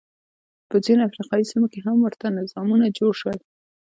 په ځینو افریقايي سیمو کې هم ورته نظامونه جوړ شول.